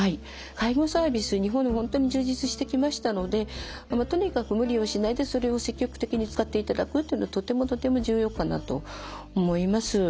介護サービス日本でも本当に充実してきましたのでとにかく無理をしないでそれを積極的に使っていただくっていうのはとてもとても重要かなと思います。